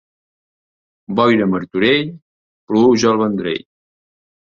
Boira a Martorell, pluja al Vendrell.